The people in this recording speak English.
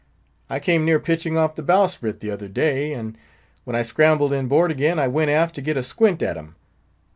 I came near pitching off the bowsprit the other day; and, when I scrambled inboard again, I went aft to get a squint at 'em.